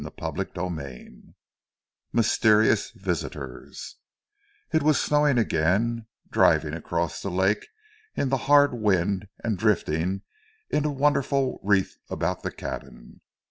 CHAPTER XIV MYSTERIOUS VISITORS It was snowing again, driving across the lake in the hard wind and drifting in a wonderful wreath about the cabin.